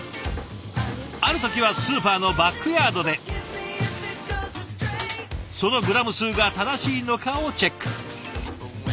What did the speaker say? ある時はスーパーのバックヤードでそのグラム数が正しいのかをチェック。